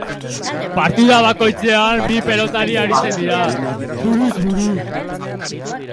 Partida bakoitzean bi pilotari aritzen dira, buruz buru.